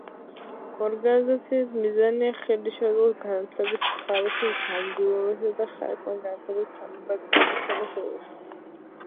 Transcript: ორგანიზაციის მიზანია ხელი შეუწყოს განათლების ხარისხის გაუმჯობესებასა და ხარისხიან განათლებაზე თანაბარ წვდომას საქართველოში.